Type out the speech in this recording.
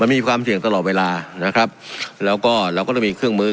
มีความเสี่ยงตลอดเวลานะครับแล้วก็เราก็ต้องมีเครื่องมือ